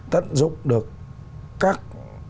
tận dụng được các